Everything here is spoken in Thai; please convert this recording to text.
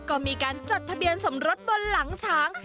ก็มีการจดทะเบียนสมรสบนหลังช้าง